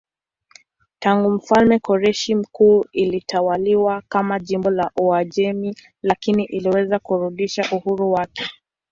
Tangu mfalme Koreshi Mkuu ilitawaliwa kama jimbo la Uajemi lakini iliweza kurudisha uhuru wake.